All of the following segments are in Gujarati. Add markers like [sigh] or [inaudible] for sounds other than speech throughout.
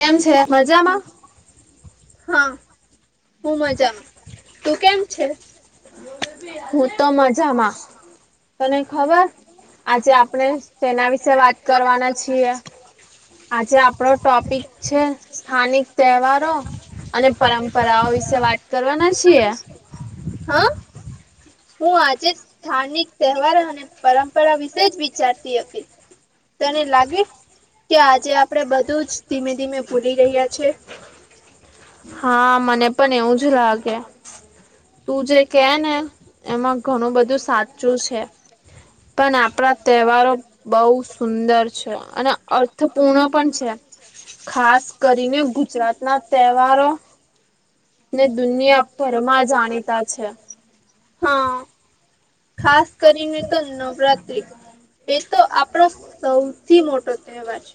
કેમ છે મજામાં હા. હું મજામાં તું કેમ છે હું તો મજામાં. તને ખબર આજે આપણેે શેના વિશે વાત કરવાના છીએ? આજે આપડો ટોપિક છે. સ્થાનિક તહેવારો અને પરંપરાઓ વિશે વાત કરવાના છીએ. હા. હું આજે જ સ્થાનિક તહેવાર અને પરંપરા વિશે જ વિચારતી હતી. તને લાગે કે આજે આપડે બધું જ. ધીમે ધીમે ભૂલી રહ્યા છીએ. હા મને પણ એવું જ લાગે. તું જે કેહે ને એમાં ઘણું બધું સાચું છે. પણ આપણા તહેવારો બહુ સુંદર છે અને અર્થપૂર્ણ પણ છે. ખાસ કરીને ગુજરાત ના તહેવારો ને દુનિયાભરમાં જાણીતા છે હા. ખાસ કરીને તો નવરાત્રી. એ તો આપણા સૌથી મોટો તહેવાર છે.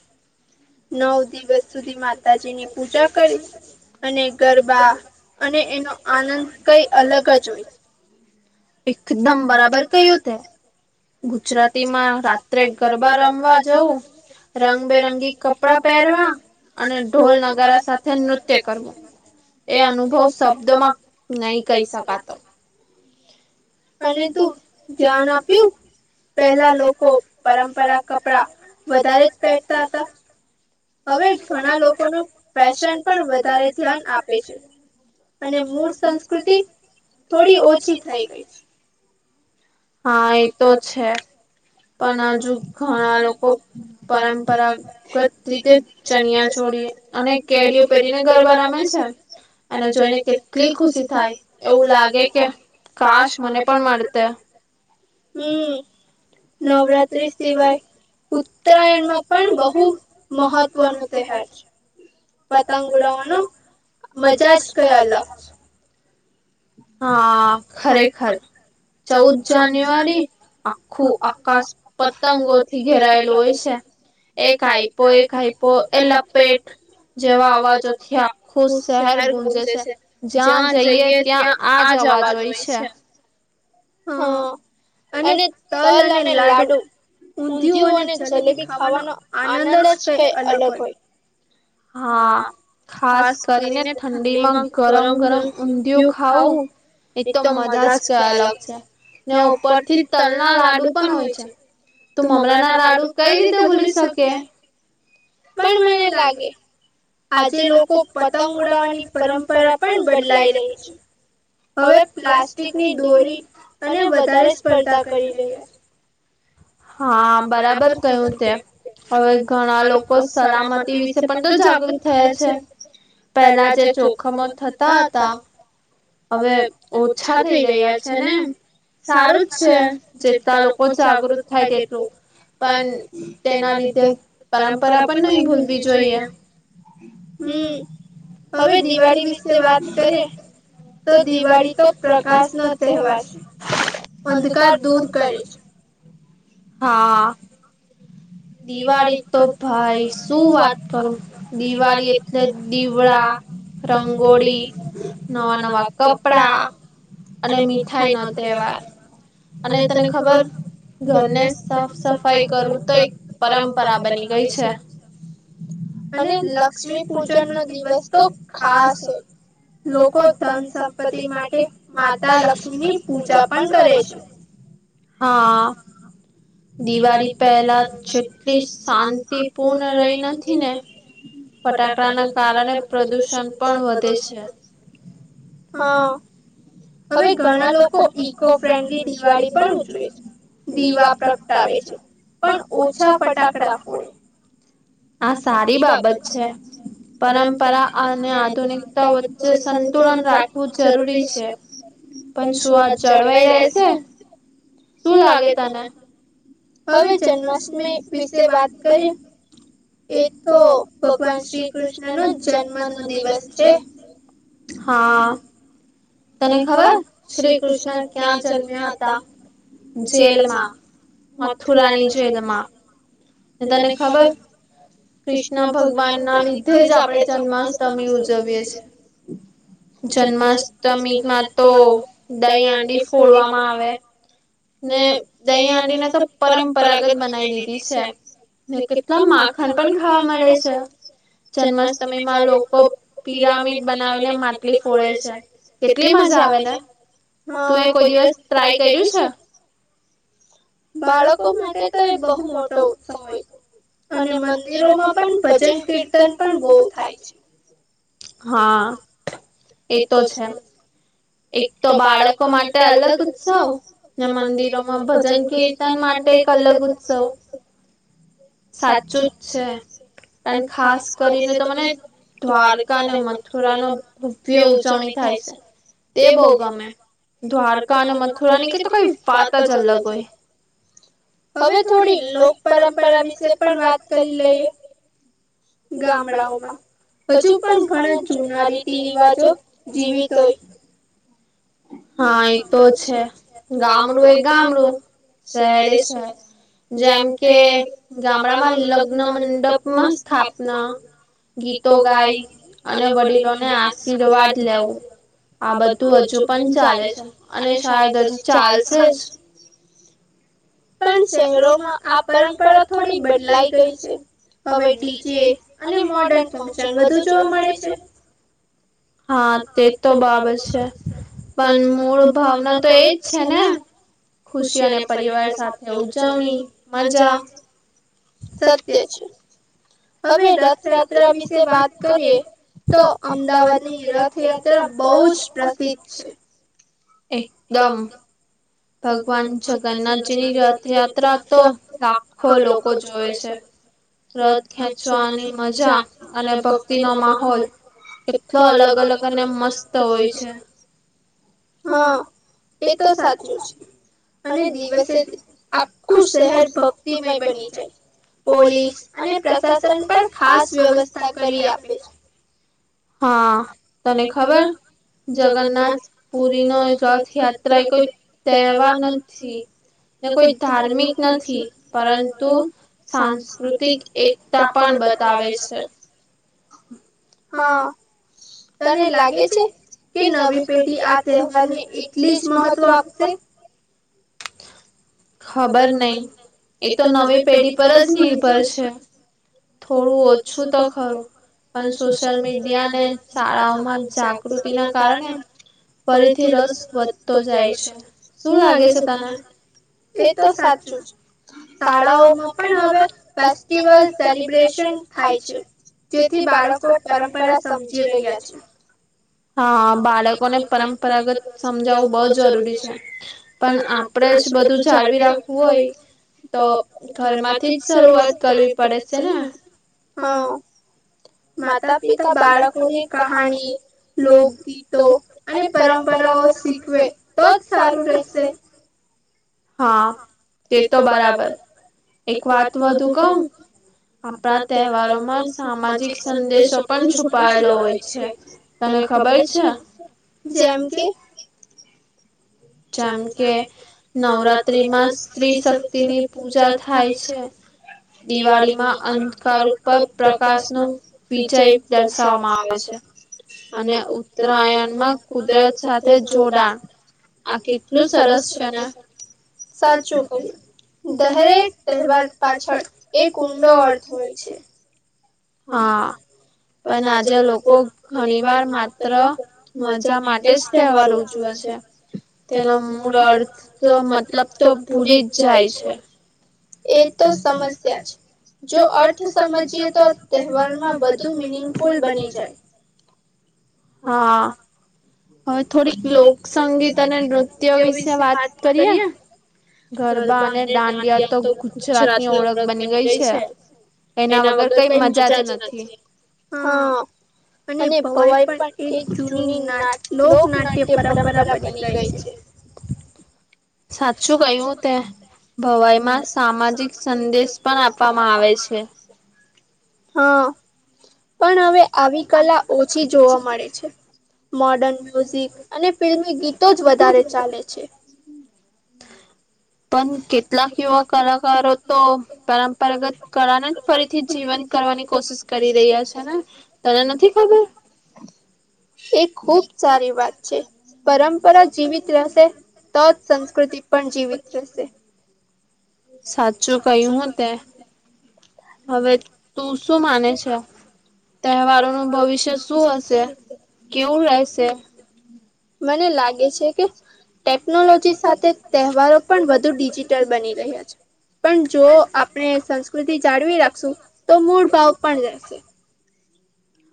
નવ દિવસ સુધી માતાજી ની પૂજા કરવી. અને ગરબા અને એનો આનંદ કઈ અલગ જ હોય. એકદમ બરાબર ક્હ્યુ તે. ગુજરાતી માં રાત્રે ગરબા રમવા જવું રંગબેરંગી કપડા પહેરવા અને ઢોલ નગારા સાથે નૃત્ય કરવું. એ અનુભવ શબ્દો માં નહી કહી શકાતો. અને તું ધ્યાન આપ્યું પહેલા લોકો પરંપરા કપડા વધારે જ પહેરતા હતા. હવે ઘણા લોકો ફેશન પર વધારે ધ્યાન આપે છે. અને મૂળ સંસ્કૃતિ થોડી ઓછી થઈ ગઈ. હા એતો છે. પણ હજુ ઘણા લોકો પરંપરાગત રીતે ચનિયાચોલી અને કેડીયુ પહેરીને ગરબા રમે છે. એને જોઈને કેટલી ખુશી થાય એવું લાગે કે કાશ મને પણ મળતે. હમ્મ નવરાત્રી સિવાય ઉત્તરાયણમાં પણ બહુ મહત્વનો તહેર પતંગ ઉડાવવાનો મજા જ કંઈ અલગ છે. હા ખરેખર ચૌદ જાન્યુઆરી આખું આકાશ પતંગોથી ઘેરાયેલું હોય છે. એ કાઈપો એ કાઈપો એ લપેટ જેવા અવાજોથી આખું શહેર ગુંજે છે જ્યાં જઈએ ત્યાં આ જ અવાજ હોય છે. હા અને તલ અને લાડુ ઊંધિયું અને જલેબી ખાવાનો આનંદ જ કઈ અલગ હોય. હા. ખાસ કરીને ઠંડીમાં ગરમ ગરમ ઊંધિયું ખાવું. એક તોમ મજા જ કઈ અલગ છે ને ઉપરથી તલના લાડુ પણ હોય છ. તો મમરા ના લાડુ કઈ રીતે ભૂલી શકે? પણ મને લાગે આજે લોકો પતંગ ઉડાવવાની પરંપરા પણ બદલાઈ રહી છે. હવે પ્લાસ્ટિકની દોરી અને વધારે સ્પર્ધા કરી રહ્યા છે. હા બરાબર કયું છે હવે ઘણા લોકો સલામતી વિશે વધુ જાગૃત થયા છે પેલા જે જોખમો થતા હતા હવે ઓછા થઈ રહ્યા છે ને. સારું જ છે જેટલા લોકો જાગૃત થાય તેટલું પણ તેના લીધે પરંપરા પણ નહી ભૂલવી જોઈએ. હમ્મ હવે દિવાળી વિશે વાત કરીએ. તો દિવાળી તો પ્રકાશ નો તહેવાર છે. અંધકાર દૂર કરે છે હા. દિવાળી તો ભાઈ શું વાત કરો દિવાળી એટલે દીવડા રંગોળી નવા નવા કપડા. અને મીઠાઈ નો તહેવાર અને તને ખબર ઘરને સાફ સફાઈ કરવું તો એક પરંપરા બની ગઈ છે. અને લક્ષ્મી પૂજન નો દિવસ તો ખાસ એ લોકો ધન સંપત્તિ માટે માતા લક્ષ્મી ની પૂજા પણ કરે છે. હા. દિવાળી પહેલાનું જેટલી શાંતિપૂર્ણ રહી નથી ને ફટાકડા ના કારણે પ્રદુષણ પણ વધે છે. હા. હવે ઘણા લોકો ઈકો ફ્રેન્ડલી દિવાળી પણ ઉજવે છે. દીવા પ્રગટાવે છે પણ ઓછા ફટાકડા ફોડે. આ સારી બાબત છે. પરંપરા અને આધુનિકતા વચ્ચે સંતુલન રાખવું જરૂરી છે. પણ શુંવાત જળવાઈ રહેશે શું લાગે તને હવે જન્માષ્ટમી વિશે વાત કરી એ તો ભગવાન શ્રી કૃષ્ણ નો જન્મ નો દિવસ છે હા તને ખબર શ્રી કૃષ્ણ ક્યાં જન્મ્યા હતા જેલમાં મથુરાની જેલમાં તો તને ખબર કૃષ્ણ ભગવાન ના લીધે જ આપડણે જન્માષ્ટમી ઉજવીએ છે. જન્માષ્ટમી માં તો દહી હંડી ફોડવામાં આવે ને દહીં હંડીને તો પરંપરાગત બનાવી દીધી છે ને કેટલા માખન પણ ખાવા મળે છે જન્માષ્ટમીમાં લોકો પિરામિડ બનાવીને માટલી ફોડે છે કેટલી મજા આવે ને તું એ કોઈ દિવસ ટ્રાય કર્યું છે બાળકો માટે તો એ બહુ મોટો ઉત્સવ હોય અને મંદિરોમાં પણ ભજન કીર્તન પણ બહુ થાય છે હા એતો છે એક તો બાળકો માટે અલગ ઉત્સવ મંદિરોમાં ભજન કીર્તન માટે એક અલગ ઉત્સવ સાચું જ છે પણ ખાસ કરીને તો મને દ્વારકા અને મથુરા ન ભવ્ય ઉજવણી થાય છે તે બહ ગમે દ્વારકા અને મથુરા ની કે તો કઈ વાત જ અલગ હોય હવે થોડી લોક પરંપરા વિશે પણ વાત કરી લઈએ ગામડાઓમાં હજુ પણ ઘણા જૂના રીતિ રિવાજો જીવીત હોય હા એ તો છે ગામડું એક ગામડું શહેર એ સેહર જેમ કે ગામડા માં લગ્ન મંડપમાં સ્થાપના ગીતો ગાઈ અને વડીલોને આશીર્વાદ લેવું આ બધું હજુ પણ ચાલે છે અને શાયદ હજીુ ચાલશે જ પણ શહેરોમાં આ પરંપરા થોડી બદલાઈ ગઈ છે હવે ડી જેે અને મોર્ડન ફંક્શન બધું જોવા મળે છે હા તે તો બાબત છે પણ મૂળ ભાવના તો એજ છે ને ખુશી અને પરિવાર સાથે ઉજવણી મજા સત્ય છે હવે રથયાત્રા વિશે વાત કરીએ તો અમદાવાદ ની રથયાત્રા બહ જ પ્રસિદ્ધ છે એકદમ ભગવાન જગન્નાથજી ની રથયાત્રા તો લાખો લોકો જોવે છે રત ખેંચવાની મજા અને ભક્તિ નો માહોલ કેલો અલગ અલગ અને મસ્ત હોય છે હા એ તો સાચું છે અને દિવસે આખું શહેર ભક્તિમય બની જાય પોલીસ અને પ્રશાસન પણ ખાસ વ્યવસ્થા કરી આપે છે હા તને ખબર જગન્નાથ પુરી ન રથયાત્રા કોઈ કહેવા નથી કોઈ ધાર્મિક નથી પરંતુ સાંસ્કૃતિક એકતા પણ બતાવે છે હા તને લાગે છે કે નવી પેઢી આ તહેવાર ને એટલી જ મહત્વ આપશે ખબર નહી. એ તો નવી પેઢી પર જ નિર્ભર છે. થોડું ઓછું ત ખરો. પણ સોશિયલ મીડિયાને શાળાઓને જાગૃતિના કારણે ફરીથી રસ વધતો જાય છે. શું લાગે છે તને? એ તો સાચું જ. શાળાઓમાં પણ હવે ફેસ્ટિવલ સેલિબ્રેશન થાય છે. જેથી બાળકો પરંપરા સમજી રહ્યા છે. હા બાળકોને પરંપરાગત સમજાવું બહુ જરૂરી છે. પણ આપડે જ બધું જાળવી રાખવું હોય. તો ઘરમાંથી જ શરૂઆત કરવી પડે છે ને. હહ માતા પિતા બાળકોને કહાની લોકગીતો અને પરંપરાઓ શીખવે તો જ સારું રહેશે. હા તે તો બરાબર. એક વાત વધુ કઉં? આપણા તહેવારોમાં સામાજિક સંદેશો પણ છુપાયેલો હોય છે. તને ખબર છે? જેમ કે હ જેમ કે નવરાત્રીમાં સ્ત્રી શક્તિની પૂજા થાય છે. દિવાળીમાં અંધકાર ઉપર પ્રકાશનો વિજય દર્શાવવામાં આવે છે. અને ઉત્તરાયણમાં કુદરત સાથે જોડાણ. આ કેટલું સરસ છે ને? સાચું કહ્યું. દહેરેક તહેવાર પાછળ એક ઊંડો અર્થ હોય છે. હા પણ આજે લોકો ઘણીવાર માત્ર મજા માટે જ તહેવાર ઉજવે છે. તેનો મૂળ અર્થ તો મતલબ તો ભૂલી જ જાય છે. એ તો સમસ્યા છે. જો અર્થ સમજીએ તો તહેવારમાં વધુ મીનિંગફુલ બની જાય હા. હવે થોડીક લોકસંગીત અને નૃત્ય વિશે વાત કરીએ? ગરબા અને દાંડિયા તો ગુજરાતની ઓળખ બની ગઈ છે. એના વગર કઈ મજા જ નથી, હહ. અને ભવાઈ પણ એક જૂની નાટ લોકનાટ્ય પરંપરા બની ગઈ છે. સાચું કયું હો તે. ભવાઈમાં સામાજિક સંદેશ પણ આપવામાં આવે છે. હા પણ હવે આવી કલા ઓછી જોવા મળે છે. મોડ મોર્ડન મ્યુઝિક અને ફિલ્મી ગીતો જ વધારે ચાલે છે. પણ કેટલાક યુવા કલાકારો તો પરંપરાગત કળાને જ ફરીથી જીવન કરવાની કોશિશ કરી રહ્યા છે ને. તને નથી ખબર? એ ખુબ સારી વાત છે. પરંપરા જીવિત રહેશે, તો જ સંસ્કૃતિ પણ જીવિત રહેશે. સાચું કહ્યું હો તે. હવે તું શું માને છે? તહેવારોનું ભવિષ્ય શું હશે? કેવું રહેેશે? મને લાગે છે કે ટેકનોલોજી સાથે તહેવારો પણ વધુ ડિજિટલ બની રહ્યા છે. પણ જો આપણે સંસ્કૃતિ જાળવી રાખશું. તો મૂળ ભાવ પણ રહેશે.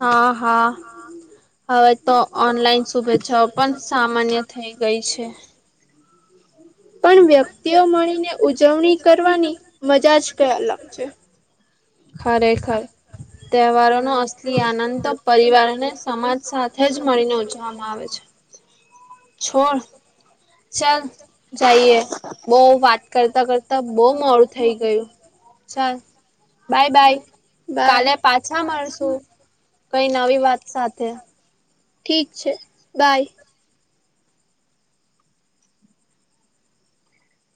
હા હા હવે તો ઓનલાઈન શુભેચ્છાઓ પણ સામાન્ય થઈ ગઈ છે. [inaudible] પણ વ્યક્તિઓ મળીને ઉજવણી કરવાની મજા જ કઈ અલગ છે. ખરેખર. તહેવારોનો અસલી આનંદ તો પરિવારને જ સમાજ સાથે જ મળીને ઉજવામાં આવે છે છોડ ચલ જઈએ બોવ વાત કરતા કરતા બહુ મોડું થઈ ગયું ચાલ બાય બાય કાલે પાછા મળશુ કઈ નવી વાત સાથે ઠીક છે બાય